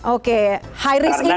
oke high risk ini